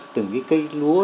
từng cái cây lúa